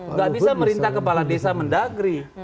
enggak bisa dia merintah kepala desa mendagri